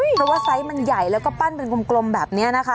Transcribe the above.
เพราะว่าไซส์มันใหญ่แล้วก็ปั้นเป็นกลมแบบนี้นะคะ